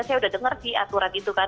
saya sudah dengar di aturan itu kan